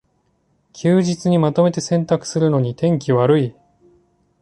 休日にまとめて洗濯するのに天気悪い